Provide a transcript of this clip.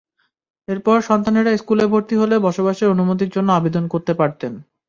এরপর সন্তানেরা স্কুলে ভর্তি হলে বসবাসের অনুমতির জন্য আবেদন করতে পারতেন।